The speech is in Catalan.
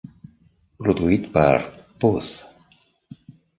Produït per Phuzz!